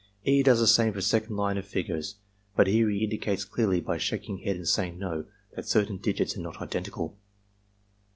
E. does the same for second line of figures, but here he indicates clearly by shaking head and saying "No" that certain digits are not identical.